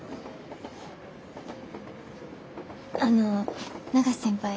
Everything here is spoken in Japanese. あの永瀬先輩